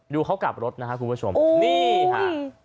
เขากลับรถนะครับคุณผู้ชมนี่ค่ะ